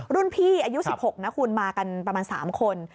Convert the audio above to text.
รุ่นพี่อายุ๑๖นะคุณมากันประมาณ๓คน